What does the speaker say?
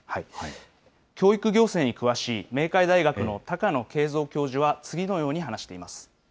教育行政に詳しい、明海大学の高野敬三教授は、次のように話しています。